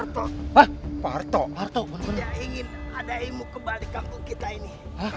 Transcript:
kami ingin ada ilmu gembal di kampung kita ini